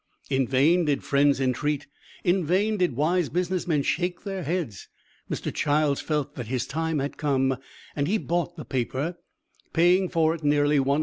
In vain did friends entreat; in vain did wise business men shake their heads; Mr. Childs felt that his time had come, and he bought the paper, paying for it nearly $150,000.